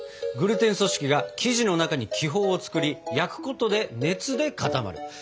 グルテン組織が生地の中に気泡を作り焼くことで熱で固まる。